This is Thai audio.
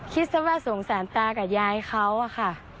คิดซะว่าสงสารตากับยายเขาอะค่ะ